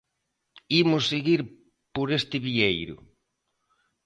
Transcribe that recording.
Imos seguir por este vieiro.